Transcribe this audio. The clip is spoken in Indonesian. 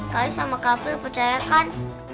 kalian sama kakak percaya kan